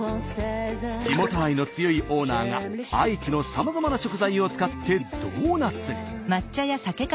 地元愛の強いオーナーが愛知のさまざまな食材を使ってドーナツに。